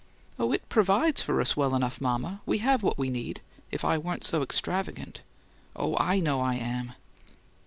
"Oh, it 'provides' for us well enough, mama. We have what we need if I weren't so extravagant. Oh, I know I am!"